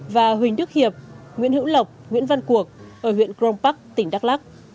và huỳnh đức hiệp nguyễn hữu lộc nguyễn văn cuộc ở huyện crong park tỉnh đắk lắc